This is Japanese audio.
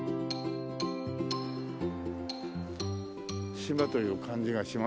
島という感じがしますよね。